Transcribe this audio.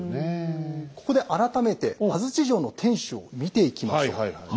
ここで改めて安土城の天主を見ていきましょう。